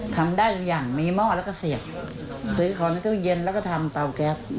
ทำได้อย่างยังมีหม้อแล้วก็เสียบถือผลในน้ำเทียวเย็นแล้วก็ทำเตาแก๊ส